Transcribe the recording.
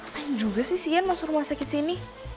main juga sih ian masuk rumah sakit sini